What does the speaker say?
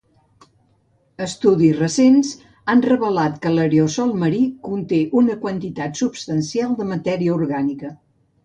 Estudis recents han revelat que l'aerosol marí conté una quantitat substancial de matèria orgànica.